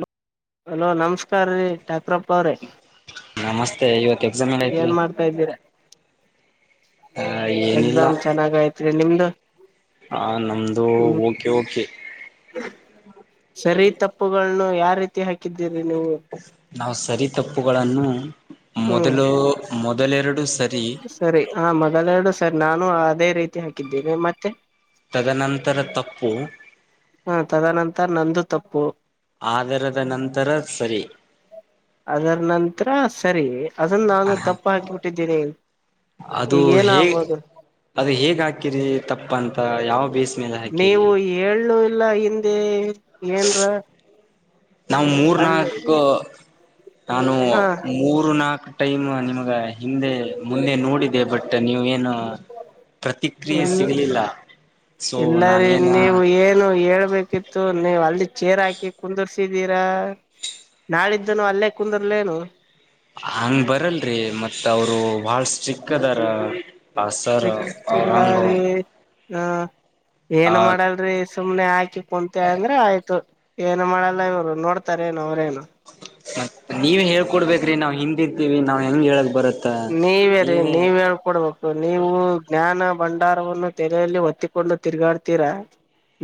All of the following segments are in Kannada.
ಲೋ ಹಲೋ ನಮಸ್ಕಾರ ರೀ ಠಾಕ್ರಪ್ಪ ಅವ್ರೀ ನಮಸ್ತೆ ಇವತ್ತು ಎಕ್ಸಾಮ್ ಎಲ್ಲ ಐತ್ರಿ ಏನ್ ಮಾಡ್ತಾ ಇದ್ದೀರಾ ಎಕ್ಸಾಮ್ ಚೆನ್ನಾಗ ಐತ್ರಿ ನಿಮ್ದು ಹಾ ನಮ್ದು ಹ್ಮ್ ಓಕೆ ಓಕೆ ಸರಿ ತಪ್ಪುಗಳನ್ನು ಯಾವ ರೀತಿ ಹಾಕಿದ್ದೀರಿ ನೀವು ನಾವು ಸರಿ ತಪ್ಪುಗಳನ್ನು ಹ್ಮ್ ಮೊದಲು ಮೊದಲೆರಡು ಸರಿ ಸರಿ ಆ ಮೊದಲೆಡು ಸರ್ ನಾನು ಅದೇ ರೀತಿ ಹಾಕಿದ್ದೇನೆ ಮತ್ತೆ ತದನಂತರ ತಪ್ಪು ಹ ತದನಂತರ ನಂದು ತಪ್ಪು ಆಧರದ ನಂತರ ಸರಿ ಅದರ ನಂತರ ಸರಿ ಅದನ್ನ ನಾನು ತಪ್ಪ ಹಾಕಿಬಿಟ್ಟಿದ್ದೀನಿ ಅದು ಈಗ ಏನ ಹೇ ಆಗ್ಬೋದು ಅದು ಹೇಗ್ ಹಾಕಿರಿ ತಪ್ಪ ಅಂತ ಯಾವ ಬೇಸ್ ಮೇಲೆ ಹಾಕಿರಿ ನೀವು ಹೇಳು ಇಲ್ಲ ಹಿಂದೆ ಏನ್ರ ನಾವು ಮೂರ್ ಅಲ್ಲಿ ನಾಲ್ಕು ನಾನು ಹ ಮೂರ್ ನಾಕು ಟೈಮ್ ನಿಮ್ಗ ಹಿಂದೆ ಮುಂದೆ ನೋಡಿದೆ ಬಟ್ ನೀವು ಏನು ಏನು ಪ್ರತಿಕ್ರಿಯೆ ಸಿಗ್ಲಿಲ್ಲ ಇಲ್ಲರಿೀ ನೀವು ಏನು ಹೇಳ್ಬೇಕಿತ್ತು ನೀವು ಅಲ್ಲಿ ಚೇರ್ ಹಾಕಿ ಕುಂದರ್ಸಿದ್ದೀರಾ ನಾಳಿದ್ದನು ಅಲ್ಲೇ ಕುಂದರ್ಲೇನು ಹಂಗ್ ಬರಲ್ರಿ ಮತ್ತ್ ಅವರು ಬಹಳ ಸ್ಟಿಕ್ ಅದಾರ ಬಾಸರ್ ಔರಂಗ ಹ್ಮ ಏನ್ ಮಾಡಲ್ರಿ ಸುಮ್ನೆ ಹಾಕಿ ಕುಂತೆ ಅಂದ್ರ ಆಯ್ತು ಏನು ಮಾಡಲ್ಲ ಇವ್ರು ನೋಡ್ತಾರ ಏನು ಅವ್ರೇನು ಮತ್ತ ನೀವ ಹೇಳ್ಕೊಡ್ಬೇಕ್ರಿ ನಾವ್ ಹಿಂದ್ ಇರ್ತಿೀವಿ ನಾವ್ ಹೆಂಗ್ ಹೇಳ್ಬೇಕ ನೀವೇರಿೀ ನೀವ್ ಹೇಳ್ಕೊಡ್ಬೇಕು ನೀವು ಜ್ಞಾನ ಭಂಡಾರವನ್ನು ತೆಲೆಯಲ್ಲಿ ಒತ್ತಿಕೊಂಡು ತಿರ್ಗಾಡ್ತೀರಾ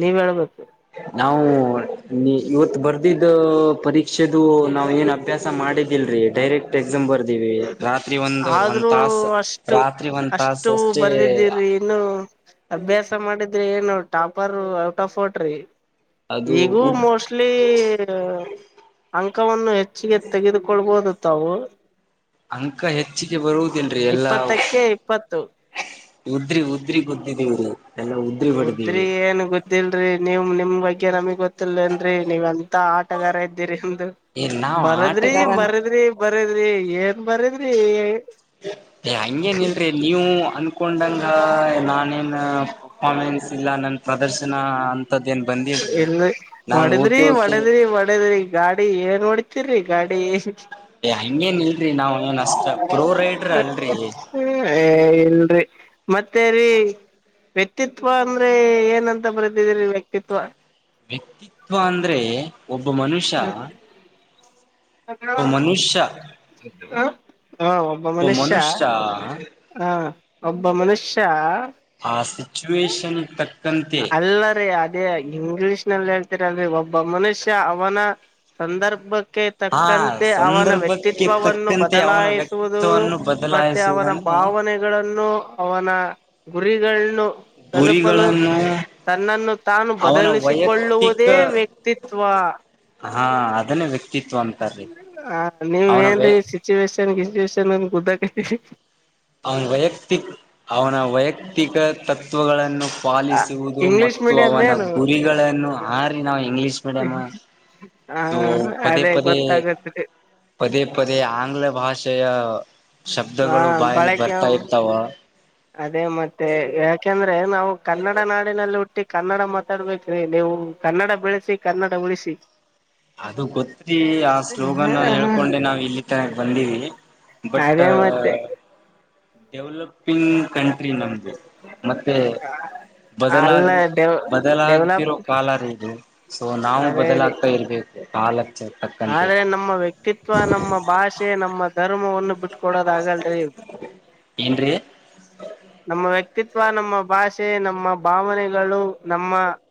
ನೀವ್ ಹೇಬೇಕು ನಾವು ನೀ ಇವತ್ತು ಬರ್ದಿದ್ದ ಪರೀಕ್ಷ ದು ನಾವ್ ಏನ್ ಅಭ್ಯಾಸ ಮಾಡಿದಿಲ್ರಿ ಡೈರೆಕ್ಟ್ ಎಕ್ಸಾಮ ಬರ್ದೀವಿ ರಾತ್ರಿ ಒಂದ ಒಂದ್ ಆದ್ರೂ ತಾಸ ಅಷ್ಟು ರಾತ್ರಿ ಒಂದ್ ತಾಸ ಅಷ್ಟು ಅಷ್ಟೇ ಬರ್ದಿದ್ದೀರಿ ಇನ್ನು ಅಭ್ಯಾಸ ಮಾಡಿದ್ರೆ ಏನು ಟಾಪರ್ ಔಟ್ ಆಫ್ ಟ್ರಿ ಅದು ಈಗೂ ಉದ್ ಮೋಸ್ಟ್ಲಿ ಅಂಕವನ್ನು ಹೆಚ್ಚಿಗೆ ತೆಗೆದುಕೊಳ್ಬಹುದು ತಾವು ಅಂಕ ಹೆಚ್ಚಿಗೆ ಬರುವುದು ನ ಎಲ್ಲಾ ಇಪ್ಪತ್ತಕ್ಕೆ ಇಪ್ಪತ್ತು ಉದ್ರಿ ಉದ್ರಿ ಗುದ್ದಿದೀವ್ರೀ ಉದ್ರಿ ಏನ್ ಗೊತ್ತಿಲ್ರಿ ನೀಮ್ ನಿಮ್ ಬಗ್ಗೆ ನಮಿಗ್ ಗೊತ್ತ ಗತ್ತಲ್ೇನ್ರಿ ನೀವ್ ಎಂತ ಆಟಗಾರ ಇದ್ದೀರಿ ಅಮ ಏ ನಾವ್ ಬರದ್ರಿ ಆಟಗಾರ ಬರದ್ರಿ ಬರದ್ರಿ ಏನ್ ಬರದ್ರಿ ಏ ಹಂಗೇನ ಇಲ್ರಿ ನೀವು ಅನ್ಕೊಂಡಂಗ ನಾನೇನ್ ನ ಪರ್ಫ್ಮೆನ್ಸ್ ಇಲ್ಲ ನನ್ನ ಇಲ್ಲ ನಾನು ಹೊಡದ್ರಿ ಓಕೆ ಓಕೆ ಹೊಡದ್ರಿ ಒಡದ್ರಿ ಗಾಡಿ ಏನ್ ನೋಡಿ ತಿರಿ ಗಾಡಿ ಏ ಹಂಗೇನ್ ಇಲ್ರರಿ ನಾವವು ಏನ್ ಅಷ್ಟ ಪ್ರೋ ರೈಡ್ರ ಅಲ್ರರಿ ಇಲ್ರಿ ಮತ್ತೆ ರೀ ವ್ಯಕ್ತಿತ್ವ ಅಂದ್ರೆ ಏನಂತ ಬರೆದಿದರಿ ವ್ಯಕ್ತಿತ್ವ ವ್ಯಕ್ತಿತ್ವ ಅಂದ್ರೆ ಒಬ್ಬ ಮನುಷ್ಯ ಒಬ್ಬ ಮನುಷ್ಯ ಹಾ ಒಬ್ಬ ಮನುಷ್ಯ ಹಾ ಒಬ್ಬ ಮನುಷ್ಯ ಆ ಸಿಚುಷನ್ ತ ಅಲ್ಲ ರೀ ಅದೇ ಇಂಗ್ಲಿಷ್ ನಲ್ಲಿ ಹೇಳ್ ಒಬ್ಬ ಮನುಷ್ಯ ಅವನ ಸಂದರ್ಭ ಆ ತಕ್ಕಂತೆ ಅವನ ಸಂದರ್ಭಕ್ಕೆ ವ್ಯಕ್ತಿತ್ವವನ್ನು ತಕ್ಕಂತೆ ಅವನ ಬದಲಾಯಿಸುವುದು ವ್ಯಕ್ತಿತ್ವವನ್ನು ಮತ್ತೆ ಅವನ ಬದಲಾಯಿಸುವುದನ್ನು ಭಾವನೆಗಳನ್ನು ಅವನ ಗುರಿಗಳನ್ನು ತಲುಪಲು ಗುರಿಗಳನ್ನು ತನ್ನನ್ನು ತಾನು ಅವನ ವೈಯಕ್ತಿಕ ಬದಲಿಸಿಕೊಳ್ಳುವುದೇ ವ್ಯಕ್ತಿತ್ವ ಹಾ ಅದನ್ನೇ ವ್ಯಕ್ತಿತ್ವ ಅಂತ ಹ ನೀವ್ ಏನ್ ಸಿಚುವೇೇಶನ್ ಗಚುವೇಶನ್ನ್ ಕುದ್ದಕೈರಿ ಅವನ ವೈಯಕ್ತಿಕ್ ಅವನ ವೈಯಕ್ತಿಕ ತತ್ವಗಳನ್ನು ಪಾಲಿಸುವುದು ಇಂಗ್ಲಿಷ್ ಮತ್ತು ಮೀಡಿಯಂ ಅವನ ಏನು ಗುರಿಗಳನ್ನು ಹಾರಿ ನಾವು ಇಂಗ್ಲೀಷ್ ಮೀಡಿಯಮ ಹ ಸೋ ಪದೇ ಅದೇ ಪದೇ ಗೊತ್ತಾಗತ್ರಿ ಪದೇ ಪದೇ ಆಂಗ್ಲ ಭಾಷೆಯ ಹಾ ಶಬ್ದಗಳು ಬಾಯಲ್ಲಿ ಬರ್ತಾ ಇರ್ತಾವ ಅದೇ ಮತ್ತೆ ಯಾಕೆಂದ್ರೆ ನಾವು ಕನ್ನಡ ನಾಡಿನಲ್ಲಿ ಮತ್ತೆ ಕನ್ನಡ ಮಾತಾಡ್ಬೇಕ್ರೀ ನೀವು ಕನ್ನಡ ಬೆಳೆಸಿ ಕನ್ನಡ ಉಳಿಸಿ ಅದು ಗೊತ್ತರಿ ಆ ಸ್ಲೋಗನ್ ಹ ಹೇಳ್ಕೊಂಡೆ ನಾವ್ ಇಲ್ಲಿ ತನಕ್ ಬಂದಿವವಿ ಬಟ್ ಅದೇ ಮತ್ತೆ ಡೆವಲಪ್ ಗ್ ಕಂಟ್ರಿ ನಮ್ದು ಮತ್ತೆ ಬದಲಾಗ ಅಲ್ಲ ಡೆವಲಪ್ ಬದಲಾಗ್ತಿರೋ ಕಾಲರ ಇದು ಸೊ ನಾವು ಅದೇ ರೀ ಬದಲಾಗ್ತಾ ಇರ್ಬೇಕು ಕಾಲ ಆದ್ರೆ ನಮ್ಮ ವ್ಯಕ್ತಿತ್ವ ನಮ್ಮ ಭಾಷೆ ನಮ್ಮ ಧರ್ಮವನ್ನು ಬಿಟ್ಕೊಡೋದ ಆಗಲ್ರಿ ಏ ನಮ್ಮ ವ್ಯಕ್ತಿತ್ವ ನಮ್ಮ ಭಾಷೆ ನಮ್ಮ ಭಾವನೆಗಳು ನಮ್ಮ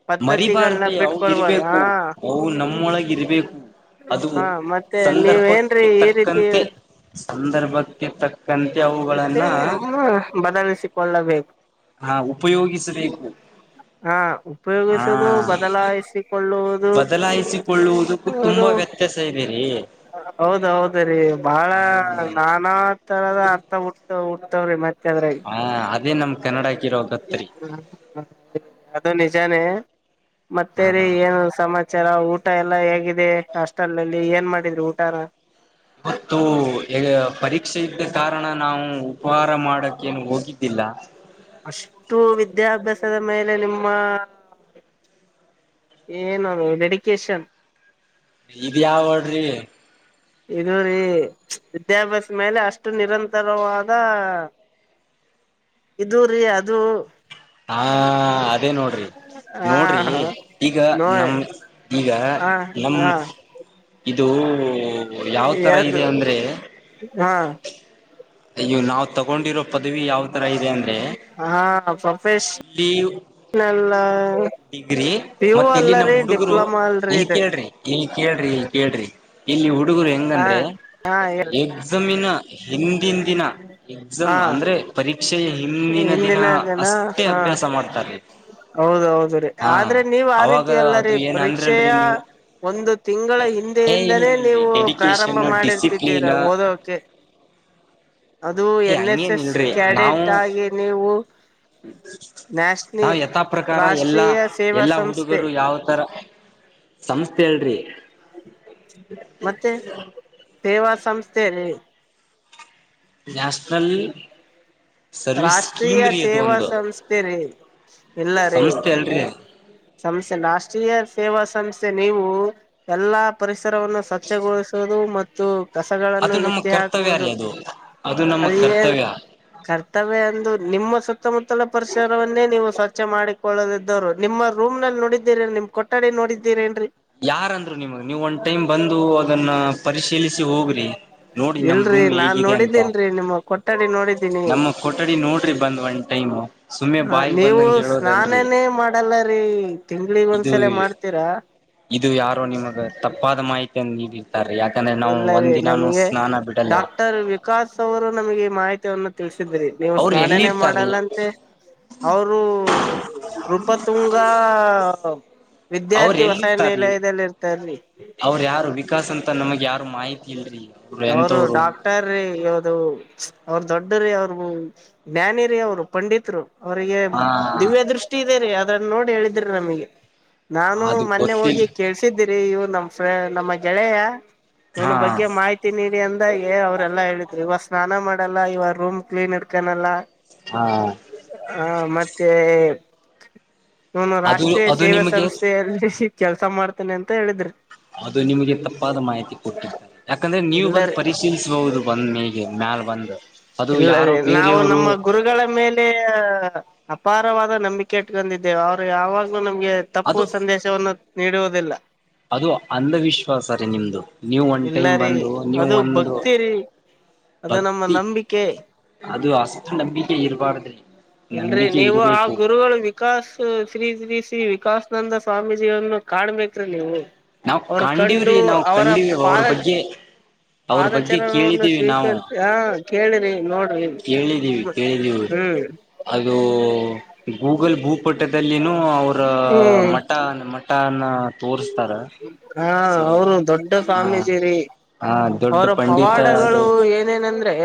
ಪದ್ಧತಿಗಳನ್ನ ಮರಿಬಾರ್ದ್ರಿ ಅ ಬಿಟ್ಕೊಡ್ಬಾರ್ದ ಇರ್ಬೇಕು ಹಾ ಅವು ನಮ್ಮೊಳಗ ಇರ್ಬೇಕು ಅದು ಹಾ ಮತ್ತೆ ನೀವ್ ಏನ್ರೀ ಸಂದರ್ಭಕ್ಕೆ ಈ ರೀತಿ ತಕ್ಕಂತೆ ಸಂದರ್ಭಕ್ಕೆ ತಕ್ಕಂತೆ ಮತ್ತೆ ಅವುಗಳನ್ನ ಬದಲಿಸಿಕೊಳ್ಳಬೇಕು ಹಾ ಉಪಯೋಗಿಸಬೇಕು ಹಾ ಹಾ ಉಪಯೋಗಿಸುದು ಬದಲಾಯಿಸಿಕೊಳ್ಳುವುದು ಕೊಳ್ಳುವುದಕ್ಕೂ ತುಂಬಾ ವ್ಯತ್ಯಾಸ ಇದೆರೀ ಹೌದ್ ಹೌದ್ ರೀ ಬಹಳ ಹಾ ನಾನಾ ತರದ ಅರ್ಥ ಹುಟ್ ಉಡ್ತಾವ್ರೀ ಮತ್ತೆ ಅದ್ರಾಗ ಹಾ ಅದೇ ನಮ್ ಕನ್ನಡಕ ಇರೋ ಗತ್ರಿ ಜನೇ ಮತ್ತೆರೀ ಹಾ ಏನುದ್ರು ಸಮಸ್ಯ ಚಲ ಊಟ ಎಲ್ಲಾ ಹೇಗಿದೆ ಅಸ್ಟೆಲ್ಲ್ಲಿ ಏನ್ ಮಾಡಿದ್ರರು ಊಟಾರ ಮತ್ತೂ ಇದೆ.. ಪರೀಕ್ಷೆ ಇದ್ದ ಕಾರಣ ಕಾರಣ ನಾವು ಉಪಹಾರ ಮಾಡಕ್ಕೇನು ಹೋಗಿದ್ದಿಲ್ಲ ಅಷ್ಟು ವಿದ್ಯಾಭ್ಯಾಸದ ಮೇಲೆ ನಿಮ್ಮ ಏ ನಾನು ಡೆಡಿಕೇಶನ್. ಇದು ಯಾವ ಹಾಡ್ ರೀ. ಇದು ರೀ ವಿದ್ಯಾಭ್ಯಾಸ ಮೇಲೆ ಅಷ್ಟು ನಿರಂತರವಾದ. ಇದು ರೀ ಅದು. ಹಾ ಅದೇ ನೋಡ್ರಿ ಹ ನೋಡ್ರಿ ಹ ಈಗ ನಮ ಈಗ. ಹಾ ಹಾ. ಯಾವ್ ತರ ಇದೆ ಅಂದ್ರೆ. ಹಾ ಅಯ್ಯೋ ನಾವ್ ತಗೊಂಡಿರೋ ಪದವಿ ಯಾವ ತರ ಇದೆ ಅಂದ್ರೆ. [inaudible] ಇಲ್ಲಿ ಶ ನಲ್ಲ ಡಿಗ್ರಿ ಮತ್ತ ಇಲ್ಲಿ ನಮ್ ಹುಡುಗರು ಡಿಪ್ಲೊಮಾ ಅಲ್ರಿ ಇಲ್ ಇದು ಕೇಳ್ರಿ ಇಲ್ ಕೇಳ್ರಿ ಇಲ್ ಕೇಳ್ರಿ. ಇಲ್ಲಿ ಹುಡುಗರು ಹ ಹೆಂಗಂದ್ರೆ ಹಾ ಎಗ್ಸಮಿನ. ಹಿಂದಿನ ದಿನ ಎಕ್ಸಾಮ್ ಹಾ ಅಂದ್ರೆ ಪರೀಕ್ಷೆ. ಹಿಂದಿನ ಜನ ಹಾ ಅಭ್ಯಾಸ ಮಾಡ್ತಾರೀ ಹೌದು ಹೌದು ರೀ. ಹಾ ಆದ್ರೆ ನೀವ್ ಆ ಅವಾಗ ರೀತಿ ಅಲ್ಲ ರೀ ಅದು ಏನ್ ಅಂದ್ರಲ್ರಿ ಪರೀಕ್ಷೆಯ. ನೀವು ಒಂದು ತಿಂಗಳ ಏ ಹಿಂದೆಯಿಂದನೇ ಇಲ್ರಿ ಇಲ್ರಿ ನೀವು ಪ್ರಾರಂಭ ಡೆಡಿಕೇಶನ್ ಮಾಡಿರ್ತಿದ್ದೀರಾ ಡಿಸಿಪ್ಲಿನ್ ಓದೋಕೆ. ಅದು ಏ ಎನ್ ಎಸ್ ಹಂಗೇನ್ ಎಸ್ ಇಲ್ರಿ ನಾವು ಕ್ಯಾಡೆಟ್ ಆಗಿ ನೀವು ನ್ಯಾಷನಿ ನಾವ ಯಥಾ ಪ್ರಕಾರ ಎಲ್ಲಾ ರಾಷ್ಟ್ರೀಯ ಸೇವಾ ಎಲ್ಲಾ ಸಂಸ್ಥೆ ಹುಡುಗರು ಯಾವ ತರ ಸಂಸ್ಥೆ ಹೇಳ್ರಿ ಮತ್ತೆ ಸೇವಾ ಸಂಸ್ಥೆೆಯಲ್ಲಿ ಜಾ ಸ್ಥಲ್ ರಾಷ್ಟ್ರೀಯ ಸೇವಾ ಸಂಸ್ಥೆ ರೀ ಎಲ್ಲ ರೀ ಸಂಸ್ಥೆ ಅಲ್ರಿ ಸಮಸೆ ನಾಷ್ಟ ರಾರೀಯ ಸೇವಾ ಸಂಸ್ಥೆ ನೀವು ಎಲ್ಲಾ ಪರಿಸರವನ್ನು ಸ್ವಚ್ಛಗೊಳಿಸುದು ಮತ್ತು ಕಸಗಳನ್ನು ಅದು ನಮ್ಮ ಎತ್ತಿ ಕರ್ತವ್ಯ ರೀ ಹಾಕುವುದು ಅದು ಅದು ನಮ್ಮ ಅದ ಏನ್ ಕರ್ತವ್ಯ ವೆ ಅಂದು ನಿಮ್ಮ ಸುತ್ತಮುತ್ತಲ ಪರಿಸರವನ್ನೇ ನೀವು ಸ್ವಚ್ಛ ಮಾಡಿಕೊಳ್ಳದಿದ್ದವರು ನಿಮ್ಮ ರೂಮ್ ನಲ್ಲಿ ನೋಡಿದ್ದೀರಿ ನಿಮ್ ಕೊಠಡಿ ನೋಡಿದ್ದೀರ ಏನ್ ಯಾರಂದ್ರು ನಿಮಗ್ ನೀವು ಒಂದ್ ಟೈಮ್ ಬಂದು ಅದನ್ನ ಪರಿಶೀಲಿಸಿ ಹೋಗ್ರಿ ನೋಡಿ ನಮ ಇಲ್ರರಿ ರೂಮ್ ನಾನ್ ಹೇಗಿದೆ ಅಂತ ನೋಡಿದ್ದೇನ್ರಿ ನಿಮ್ಮ ಕೊಠಡಿ ನೋಡಿದ್ದೀನಿ ನಮ್ಮ ಕೊಠಡಿ ನೋಡ್ರಿ ಬಂದ್ ಒಂಟ ನೀನು ಸುಮ್ಮನೆ ಹ ಬಾಯಿಗೆ ನೀವು ಬಂದಂಗ ಹೇಳೋದಲ್ರರಿ ಸ್ನಾನನೇ ಮಾಡಲ್ಲ ರೀ ತಿಂಗಳಿಗ್ ಇದು ಒಂದ್ಸಲ ಮಾಡ್ತೀರಾ ಇದು ಯಾರು ನಿಮಗ ತಪ್ಪಾದ ಮಾಹಿತ ಅ ನೀ ಸ ಯಾಕಂದ್ರೆ ನಾವು ಇಲ್ಲರಿ ಒಂದ್ನಾನು ನಮ್ಗೆ ಸ್ನಾನ ಬಿಡಲ್ಲ ಡಾಕ್ಟರ್ ವಿಕಾಸ್ ಅವರು ನಮಗೆ ಮಾಹಿತಿಯನ್ನು ನೀವು ಅವ್ರು ಸ್ನಾನಾನೇ ಎಲ್ಲಿರ್ತಾರೀ ಮಾಡಲ್ಲ ಅಂತೆ ಅವರು ಪ ತುಂಗಾ ಅವ್ರ ವಿದ್ಯಾರ್ಥಿ ವಸಾಯನ ಎಲ್ಲ ಎಲ್ಲಿರ್ತಾರೀ ಇದದಲ್ಲಿ ಇರ್ತಾರರಿ ಅವ್ರ ಯಾರು ವಿಕಾಸ್ ಅಂತ ನಮಗ್ ಯಾರು ಮಾಹಿತಿ ಇಲ್ರಿ ಅವ್ರು ಅವರು ಎಂತವ್ರು ಡಾಕ್ಟರ ಯಾಾವ್ದ ಅವ್ರ ದೊಡ್ಡ್ರೀ ಅವ್ರು ಜ್ಞಾನಿ ರೀ ಅವ್ರು ಪಂಡಿತ್ರು ಅವ್ರಿಗೆ ಹ ದಿವ್ಯ ದೃಷ್ಟಿ ಇದೆ ರರಿ ಅದನ್ನ ನೋಡಿ ಹೇಳಿದ್ರಿ ನಮಗೆ ನಾನು ಅದು ಮೊನ್ನೆ ಗೊತ್ತಿಲ್ಲ ಹೋಗಿ ಕೇಳ್ಸಿದ್ದೀರಿ ಇವು ನಮ್ಮ್ ನಮ್ಮ ಗೆಳೆಯ ಅವನ ಹಾ ಬಗ್ಗೆ ಮಾಹಿತಿ ತಿ ನೀಡಿ ಅಂದಾಗೆ ಅವರೆಲ್ಲಾ ಹೇಳಿದ್ರು ಇವಾಗ ಸ್ನಾನ ಮಾಡಲ್ಲ ಇವಾಗ ರೂಮ್ ಕ್ಲೀನ್ ಇರ್ಕಾನಲ್ಲ ಹಾ ಹ ಮತ್ತೆ ನಾನ ಅದು ರಾಷ್ಟ್ರೀಯ ಅದು ಸೇವಾ ನಿಮಗೆ ಸಂಸ್ಥೆಯಲ್ಲಿ ಕೆಲ್ಸ ಮಾಡ್ತೇನೆ ಅಂತ ಹೇಳಿದ್ರಿ ಅದು ನಿಮಗೆ ತಪ್ಪ ಮಾಹಿತಿ ಕೊಟ್ಟಿದ್ದ ಯಾಕಂದ್ರೆ ನೀವು ಬಂದು ಇಲ್ಲರಿ ಪರಿಶೀಲಿಸಬಹುದು ಬಂದ್ ಮೇಗೆ ಮ್ಯಾಲ ಬಂದು ಅದು ಇಲ್ಲ ರೀ ಯಾರೋ ನಾವು ಬೇರೆಯವರು ನಮ್ಮ ಗುರುಗಳ ಮೇಲೆ ಅಪಾರವಾದ ನಂಬಿಕೆ ಇಟ್ಕೊಂಡಿದ್ದೇವೆ ಅವ್ರು ಯಾವಾಗ್ಲೂ ನಮಗೆ ತಪ್ಪು ಅದು ಸಂದೇಶವನ್ನು ನೀಡುವುದಿಲ್ಲ ಅದು ಅಂಧವಿಶ್ವಾಸ ರೀ ನಿಮ್ದು ನೀವು ಒನ್ ಇಲ್ಲ ಟೈಮ್ ರೀ ಬಂದು ನೀವು ಅದು ಒಂದು ಭಕ್ತಿ ರೀ ಅದು ನಮ್ಮ ಭಕ್ತಿ ನಂಬಿಕೆ ಅದು ಹಸ್ತ್ರ ನಂಬಿಕೆ ಇರಬಾರ್ದ್ರಿ ಇಲ್ರೀ ನಂಬಿಕೆ ನೀವು ಆ ಇಡಬೇಕು ಗುರುಗಳು ವಿಕಾಸ್ ಶ್ರೀ ಶ್ರೀ ಶ್ರೀ ವಿಕಾಸನಂದ ಸ್ವಾಮೀಜಿಯನ್ನು ಕಾಣಬೇಕ್ರೀ ನೀವು ನಾವು ಅವರು ಕಂಡೀವ್ರಿ ಕಂಡು ನಾವು ಅವರ ಕಂಡೀವಿ ಅವ್ರ ಪಾದ ಬಗ್ಗೆ ಅವ್ರ ಬಗ್ಗೆ ಪಾದಚರಣವನ್ನು ಕೇಳಿದ್ದೀವಿ ನಾವು ಸ್ವೀಕರಿಸಿ ಹ ಕೇಳ್ರಿ ನೋಡ್ರಿ ಕೇಳಿದ್ದೀವಿ ಕೇಳಿದ್ದೀವಿ ಹ್ಮ್ ಅದು ಗೂಗಲ್ ಭೂಪಟ್ಟದ ಇಲ್ಲಿ ಅವರ ಹ್ಮ್ ಮಠ ಮಠಾನ ತೋ ಹಾ ಅವರು ದೊಡ್ಡ ಹಾ ಸ್ಮೀಜಿರಿ ಹಾ ದೊಡ್ಡ ಅವರ ಪಂಡಿತರು ಪವಾಡಗಳು ಏನೇನಂದ್ರೆ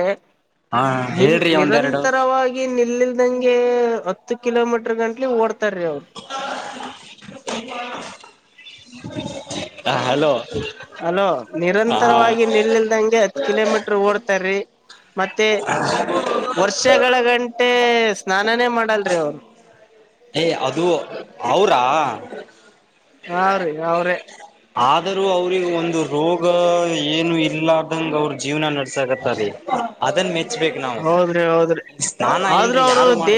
ಹಾ ನಿಲ್ ಹೇಳ್ರಿ ಒಂದೆರಡು ನಿರಂತರವಾಗಿ ನಿಲ್ಲಿಲ್ದಂಗೆ ಹತ್ತು ಕಿಲೋಮೀಟ್ರ ಗಂಟ್ಲಿ ಓಡ್ತಾರೀ ಅವರು ಹ ಹಲೋ ಅಲೋ ಹ ನಿರಂತರವಾಗಿ ನಿಲ್ಲ್ದಂಗೆ ಹತ್ ಕಿಲೋಮೀಟರ್ ಓಡ್ತಾರೀ ಮತ್ತೆ ವರ್ಷಗಳ ಗಂಟೆ ಸ್ನಾನಾನೇ ಮಾಡಲ್ರಿ ಅವನು ಏಯ ಅದು ಅವ್ರಾ ಹ್ರೀ ಅವ್ರೇ ಆದರೂ ಅವ್ರಿಗೆ ಒಂದು ರೋಗ ಏನು ಇಲ್ಲ ಆದಂಗ ಅವ್ರ ಜೀವನ ನಡ್ಸಕತ್ತೆ ಸರಿ ಅದನ್ನ ಮೆಚ್ಬೇಕು ನಾವು ಹೌದ್ರಿ ಹೌದ್ರಿ ನಾನ ಏನ್ರಿ ಯಾರು ಮಾಡ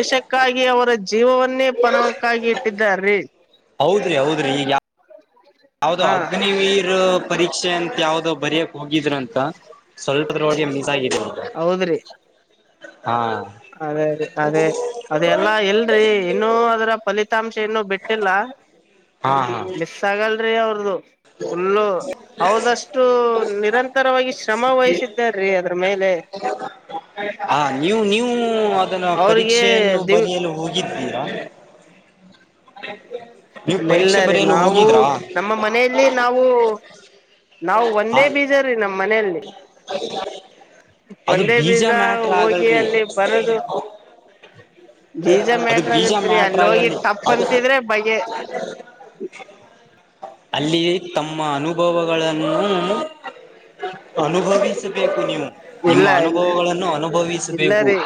ಜೀವನ್ನೇ ಪನವಕ್ಕಾಗಿ ಇಟ್ಟಾರ ರೀ ಹೌದ್ರಿ ಹೌದ್ರಿ ಈಗ ಯಾವ್ದೋ ಹಾ ಅಗ್ನಿವೀರ್ ಪರೀಕ್ಷೆ ಅಂತ ಯಾವ್ದೋ ಬರಯಕ್ ಹೋಗಿದ್ರು ಅಂತ ಸ್ವಲ್ಪದೋಓಡ ಮಿಸಸ ಆಗಿರುವಂತ ಹೌದ್ರಿ ಅದೇ ರೀ ಅದೇ ಅದೆ ಎಲ್ಲಾ ಎಲ್ರಿ ಇನ್ನುೂ ಅದ್ರ ಫಲಿತಾಂಶ ಏನು ಬಿಟ್ಟಿಲ್ಲ ಹಾ ಹಾ ಮಿಸ್ ಆಗಲ್ರಿ ಅವ್ರದುು. ಫುಲ್ಲು ಅವದಷ್ಟು ನಿರಂತರವಾಗಿ ಶ್ರಮ ವಹಿಸಿದ್ದಾರೀ ಅದ್ರ ಮೇಲೆ ಹಾ ನೀೂ ನೀೂ ನೀ ಅದನ್ನ ಅವ್ರಿಗೆ ಪರೀಕ್ಷೆಯನ್ನು ದಿವ್ ಬರೆಯಲು ಹೋಗಿದ್ದೀರಾ ಮತ್ತೆ ನೆಲ್ಲ ರೀ ನಾವು ನಮ್ಮ ಮನೆಯಲ್ಲಿ ನಾವು ನಾವು ಹ ಒಂದೇ ಬೀಜ್ರೀ ನಮ್ಮ್ ಮನೆಯಲ್ಲಿ ಅದು ಒಂದೇ ಬೀಜ ಮ್ಯಾಟ್ರ ಹೋಗಿ ಆಗಲ್ರಿ ಅಲ್ಲಿ ಬರದು ಬೀಜ ಅದು ಮ್ಯಾಟ್ರ ಬೀಜ ಆಗತ್ರಿ ಮ್ಯಾಟ್ರ ಅಲ್ಲಿ ಹೋಗಿ ಆಗಲ್ಲಿ ತಪ್ಪ ಅದು ಅನ್ಸಿದ್ರೆ ಬಗೆ ಅಲ್ಲಿ ತಮ್ಮ ಅನುಭವಗಳನ್ನು ಅನುಭವಿಸಬೇಕು ನೀವು ನಿಮ್ಮ ಇಲ್ಲ ಇಲ್ಲ ಅನುಭವಗಳನ್ನು ಇಲ್ಲ ಅನುಭವಿಸಬೇಕು ರೀ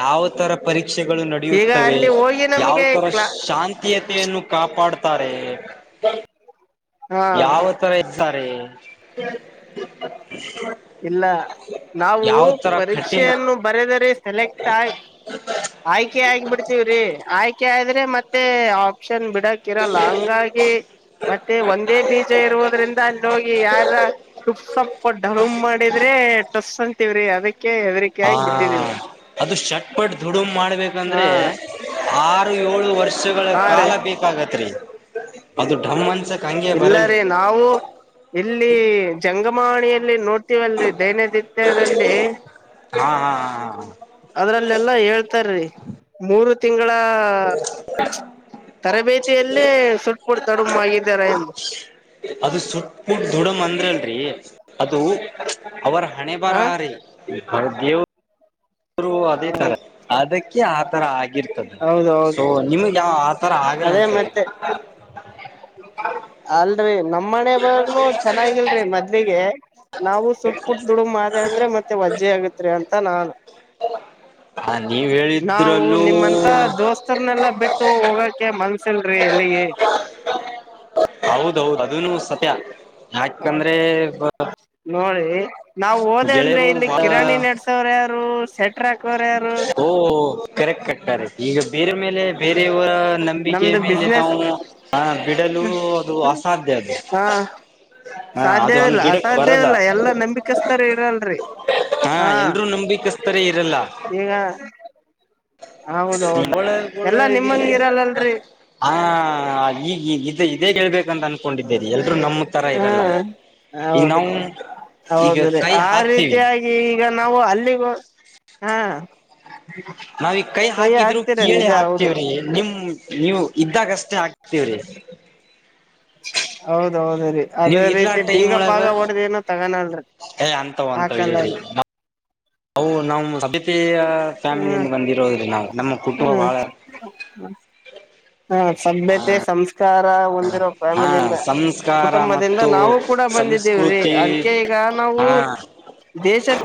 ಯಾವ ತರ ಪರೀಕ್ಷೆಗಳು ಈಗ ನಡೆಯುತ್ತವೆ ಅಲ್ಲಿ ಹೋಗಿ ಯಾವ ನಮ್ಗೆ ತರ ಕ್ಲಾ ಶಾಂತಿಯ ನ್ನು ಕಾಪಾಡುತ್ತಾರೆ ಹಾ ಯಾವ ತರ ಇರ್ತಾರೆ ಇಲ್ಲ ನಾವು ಯಾವ ತರ ಕಠಿಣ ಪರೀಕ್ಷೆಯನ್ನು ಬರೆದರೆ ಸೆಲೆಕ್ಟ್ ಆ ಆಯ್ಕೆ ಆಗ್ ಬಿಡ್ತಿವ್ರಿ ಆಯ್ಕೆ ಆದ್ರೆ ಮತ್ತೆ ಆಪ್ಷನ್ ಬಿಡಕ್ ಹಕ್ಕಿರಲ್ಲ ಹಂಗಾಗಿ ಮತ್ತೆ ಒಂದೇ ಬೀಜ ಇರುವುದ್ರಿಂದ ಅಲ್ಲಿ ಹೋಗಿ ಯಾರ ಸುಪ್ ಸಪ್ಪ ಡರುಮ ಮಾಡಿದ್ರೆ ಟಸ್ ಅಂತಿವವ್ರಿ ಅದಕ್ಕೆ ಹೆದರಿಕೆ ಹಾ ಆಗಿ ಬಿಟ್ಟಿದೀವಿ ಅದು ಶಟ್ಪಟ್ ದುಡುಮ ಹಾ ಮಾಡ್ಬೇಕಂದ್ರೆ ಆರು ಏಳು ವರ್ಷಗಳ ಹಾ ರೀ ಕಾಲ ಬೇಕಾಗತ್ ರೀ ಅದು ನ್ಸ ಇಲ್ಲ ರೀ ನಾವು ಇಲ್ಲಿ ಜಂಗ ಚಮಣಿಯಲ್ಲಿ ನೋಡ್ತೀವಲ್ರರಿ ದೈನಂದಿತ್ಯದಲ್ಲಿ ಹಾ ಹಾ ಹಾ ಹಾ ಹಾ ಅದ್ರಲ್ಲೆಲ್ಲಾ ಹೇಳ್ತಾರಿ ಮೂರು ತಿಂಗಳ ತರಬೇತಿಯಲ್ಲೇ ಸುಟ್ ಪುಡ್ ತಡಮ ಆಗಿದ್ದಾರ ಎಂದು ಅದು ಸುಟ್ಟಟ್ಟ ಅಂದ್ರ ಅಲ್ರಿ ಅದು ಅವರ ಹಣೆ ಹಾ ಬರೀೇವ ಆದರು ಅದೇ ತರ ಹೌದು ಅದಕ್ಕೆ ಆತರ ಆಗಿ ಆಿರ್ತದೆ ಸೊ ಹೌದೌದು ನಿಮಗೆ ಯಾವ ಆ ತರ ಆಗಲ್ಲ ಅದೇ ಅನ್ಸರಿ ಮತ್ತೆ ಅಲ್ರರಿ ನಮ ಮನೆ ಬರ್ನು ಚೆನ್ನಾಗಿಲ್ರಿ ಮದಲಿಗೆ ನಾವು ಸುಟ್ ಪುಟ್ ದುಡುಗ್ ಮಾಡೆ ಅಂದ್ರೆ ಮತ್ತೆ ವಜ್ಜೆ ಆಗತ್ರಿ ಅಂತ ನಾನು ಹ ನೀವ ಹೇಳಿದ್ರಲ್ಲೂ ಮತ್ತ ದೋಸ್ತರ್ನೆಲ್ಲಾ ಬಿಟ್ಟು ಹೋಗಕ ಮನ್ಸಿಲ್ರಿ ಎಲ್ಲಿಗೆ ಹೌದೌದು ಅದನು ಸತ್ಯ ಯಾಕಂದ್ರೆ ನೋಡಿ ನಾವ್ ಹೋದೆ ಅಂದ್ರೆ ಗೆಳೆಯರು ಇಲ್ಲಿ ಬಹಳ ಕಿರಾಣಿ ನ ಎರಡ್ ಸಾವ್ರ ಯಾರು ಸೆಟ್ ಓ ಕೆರೆಕ್ ಕಟ್ಟಾರೆ ಈಗ ಬೇರೆ ಮೇಲೆ ಬೇರೆಯವರ ನಂಬಿಕೆ ನಮ್ದು ಮೇಲೆ ಬಿಸ್ನೆಸ್ ನಾವು ಆ ಬಿಡಲು ಅದು ಅಸಾಧ್ಯ [inaudible] ಹಾ ಹ ಅದು ಸಾಧ್ಯವಿಲ್ಲ ಹಂಗ್ ಬಿಡಕ್ ಬರಲ್ಲ ಅಸಾಧ್ಯವಿಲ್ಲ ಎಲ್ಲಾ ನಂಬಿಕಸ್ತಾರ ಇರಲ್ರಿ ಹಾ ಎಲ್ರೂ ನಂಬಿಕಸ್ತರೇ ಇರಲ್ಲ ಈಗ ಹೌದೌದು ನಿಂಬಳೊಳ್ಳ ಎಲ್ಲಾ ನಿಮ್ಮಂಗ ಇರಲ್ಲಲ್ರಿ ಆ ಈ ಈ ಇದ ಇದೇ ಹೇಳ್ಬೇಕಂತ ಅನ್ಕೊಂಡಿದ್ದೇರಿ ಎಲ್ರೂ ನಮ ತರ ಇರಲ್ಲ ಈಗ ಹೌದೀ ನಾವು ಈಗ ಹೌದ್ರೀ ಕೈ ಆ ಹಾಕ್ತೀವಿ ರೀತಿಯಾಗಿ ಈಗ ನಾವು ಅಲ್ಲಿಗೂ ಹಾ ನಾವ ಈಗ ಕೈ ಹಾಕಿದ್ರು ಹಾಕ್ತೀರ ಕೀಳಿ ನಿಜ ಹೌದು ಹಾಕ್ತೇವ್ರಿ ನಿಮ ನೀವು ಇದ್ದಾಗಷ್ಟೇ ಆಗ್ತೀವ್ರಿ ಹೌದೌದ ರೀ ಅದೇ ನೀವ್ ಇರ್ಲಾ ರೀತಿ ಬೀಗ ಪಾಗ ಹೊಡ್ದ್ ಏನೋ ತಗಾನಲ್ರಿ ಏ್ ಅಂತಾವ್ ಅಂತಾವ ಹೇಳ್ರಿ ಹೌ ನಾವು ಹ್ಮ್ ಫ್ಯಾಮಿಲಿಯಿಂದ ಬಂದಿರೋದ್ರಿ ನಾವು ನಮ್ಮ ಕುಟುಂಬ ಬಹಳ ಹಾ ಸಭ್ಯತೆ ಸಂಸ್ಕಾರ ಹೊಂದಿರೋ ಹಾ ಫ್ಯಾಮಿಲಿಂದ ಸಂಸ್ಕಾರ ಕುಟುಂಬದಿಂದ ಮತ್ತು ನಾವು ಕೂಡ ಬಂದಿದ್ದೇವ್ರಿ ಸಂಸ್ಕೃತಿ ಅದಕ್ಕೆ ಈಗ ನಾವು ಹಾ ದೇಶ